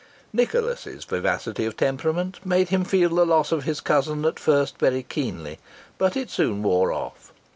Nicholas's vivacity of temperament made him feel the loss of his cousin at first very keenly, but it soon wore off.